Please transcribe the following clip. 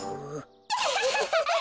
アハハハハ！